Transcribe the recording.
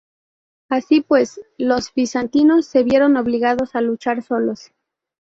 Así pues, los bizantinos se vieron obligados a luchar solos.